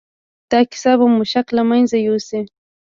دا کيسه به مو شک له منځه يوسي.